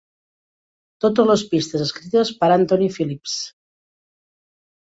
Totes les pistes escrites per Anthony Phillips.